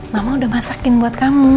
mama udah masakin buat kamu